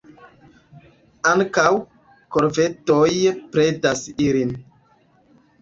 Ankaŭ korvedoj predas ilin.